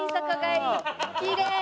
きれい！